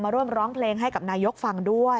ร่วมร้องเพลงให้กับนายกฟังด้วย